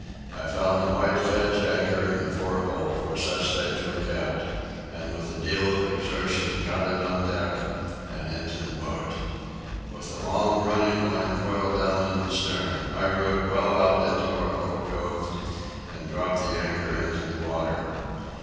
I found a light kedge anchor in the fore hold, where such things were kept; and with a deal of exertion got it on deck and into the boat. With a long running line coiled down in the stem, I rowed well out into our little cove and dropped the anchor into the water.